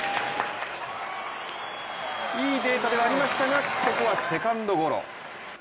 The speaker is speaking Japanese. いいデータではありましたが、ここはセカンドゴロ。